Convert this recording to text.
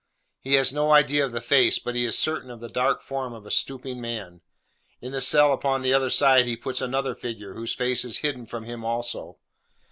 He has no idea of the face, but he is certain of the dark form of a stooping man. In the cell upon the other side, he puts another figure, whose face is hidden from him also.